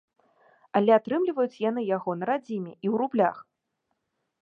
Але атрымліваюць яны яго на радзіме і ў рублях.